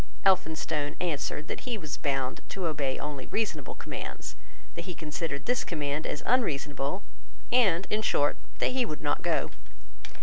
Elphinstone answered that he was bound to obey only reasonable commands, that he considered this command as unreasonable, and, in short, that he would not go.